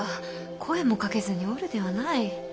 声もかけずにおるではない。